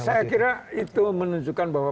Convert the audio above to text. saya kira itu menunjukkan bahwa